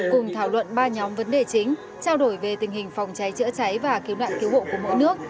cùng thảo luận ba nhóm vấn đề chính trao đổi về tình hình phòng cháy chữa cháy và cứu nạn cứu hộ của mỗi nước